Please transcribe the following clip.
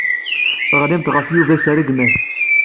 Teɣlimt ɣef Yuba s rregmat.